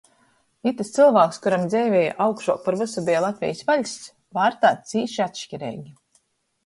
Itys cylvāks, kuram dzeivē augšuok par vysu beja Latvejis vaļsts, vārtāts cīši atškireigi.